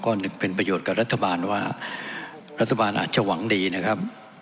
ก็หนึ่งเป็นประโยชน์กับรัฐบาลว่ารัฐบาลอาจจะหวังดีนะครับ